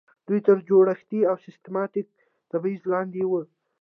دوی تر جوړښتي او سیستماتیک تبعیض لاندې وو.